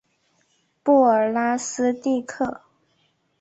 布尔拉斯蒂克。